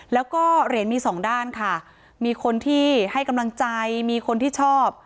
แล้วก็เหรียญมีสองด้านค่ะมีคนที่ให้กำลังใจมีคนที่ชอบ